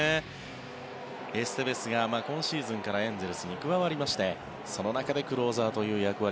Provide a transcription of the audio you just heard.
エステベスが今シーズンからエンゼルスに加わりましてその中でクローザーという役割